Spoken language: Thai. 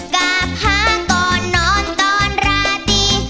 กล้าพ่าก่อนนอนก่อนราตี